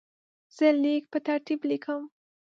زه لیک په ترتیب لیکم.